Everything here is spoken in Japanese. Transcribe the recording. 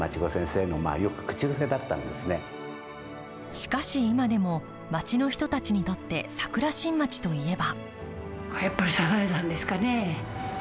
しかし、今でも町の人たちにとって桜新町といえば。